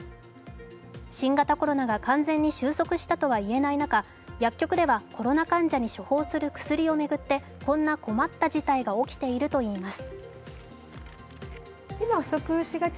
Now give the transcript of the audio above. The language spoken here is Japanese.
新型コロナが完全に収束したとはいえない中、薬局ではコロナ患者に処方する薬を巡ってこんな困った事態が起きているといいます。